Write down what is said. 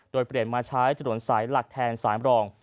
โดยเปลี่ยนมาใช้ถนนสายหลักแทนสายมรอง